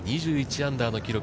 ２１アンダーの記録。